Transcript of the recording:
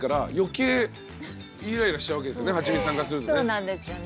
そうなんですよね。